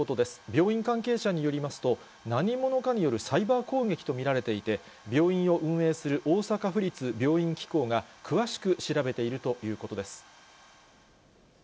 病院関係者によりますと、何者かによるサイバー攻撃と見られていて、病院を運営する大阪府立病院機構が詳しく調べているということです。